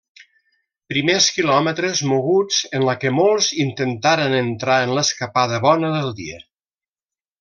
Primers quilòmetres moguts en la que molts intentaren entrar en l'escapada bona del dia.